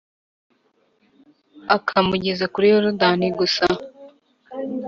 akamugeza kuri Yorodani gusa